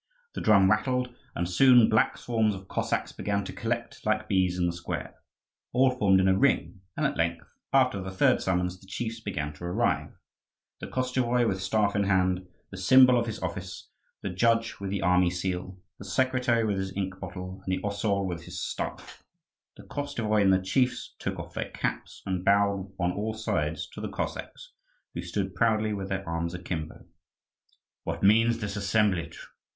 The drum rattled, and soon black swarms of Cossacks began to collect like bees in the square. All formed in a ring; and at length, after the third summons, the chiefs began to arrive the Koschevoi with staff in hand, the symbol of his office; the judge with the army seal; the secretary with his ink bottle; and the osaul with his staff. The Koschevoi and the chiefs took off their caps and bowed on all sides to the Cossacks, who stood proudly with their arms akimbo. "What means this assemblage?